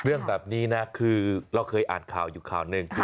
เรื่องแบบนี้นะคือเราเคยอ่านข่าวอยู่ข่าวหนึ่ง